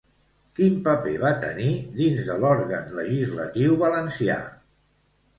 Quin paper va tenir dins de l'òrgan legislatiu valencià?